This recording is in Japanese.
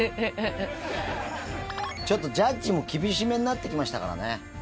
ちょっとジャッジも厳しめになってきましたからね。